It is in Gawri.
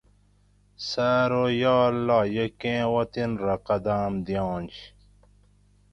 سہ ارو یا اللّٰہ یہ کیں اوطن رہ قدام دیاںش